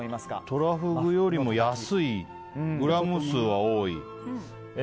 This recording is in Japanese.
トラフグよりも安いグラム数は多い。